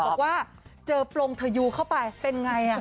บอกว่าเจอปรงทยูเข้าไปเป็นไง